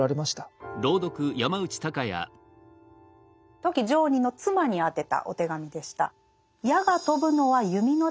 富木常忍の妻に宛てたお手紙でした。